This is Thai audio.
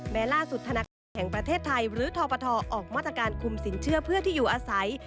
แม้ล่าสุดธนาคารแห่งประเทศไทยหรือทปทออกมาตรการคุมสินเชื่อเพื่อที่อยู่อาศัย